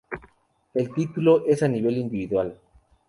El título es a nivel individual.